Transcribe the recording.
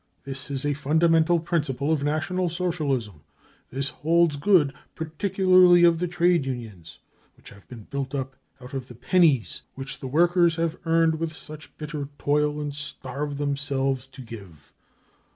This is a fundamental principle of National Socialism. This holds good particularly of the trade unions, which have been built up out of the pennies which the workers have earned with such bitter toil and starved them selves to give.